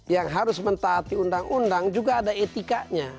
yang harus mentah hati undang undang juga ada etikanya